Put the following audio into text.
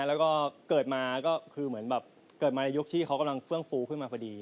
แล้วก็เกิดมาก็คือเหมือนแบบเกิดมาในยุคที่เขากำลังเฟื่องฟูขึ้นมาพอดี